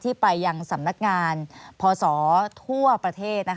ไปยังสำนักงานพศทั่วประเทศ